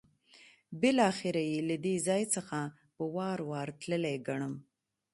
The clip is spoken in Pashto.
بالاخره یې له دې ځای څخه په وار وار تللی ګڼم.